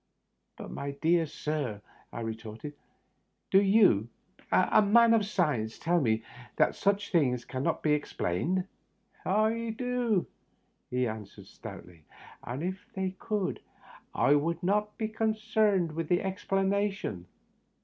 " But, my dear sir," I retorted, " do you, a man of science, mean to tell me that such things can npt be ex plained ?"" I do," he answered, stoutly. " And if they could, I would not be concerned in the explanation."